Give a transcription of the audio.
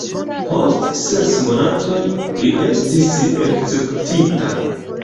Post ses monatoj li estis ekzekutita.